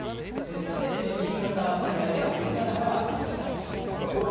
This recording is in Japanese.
そして新潟、仙台では夕方から雨でしょう。